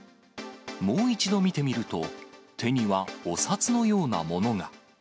もう一度見てみると、手にはお札のようなものが。